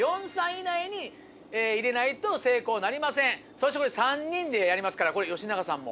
そしてこれ３人でやりますからこれ吉永さんも。